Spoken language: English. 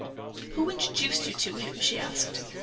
"'Who introduced you to him?'" she asked.